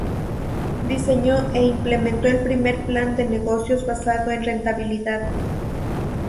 Diseñó e implementó el primer plan de negocios basado en rentabilidad.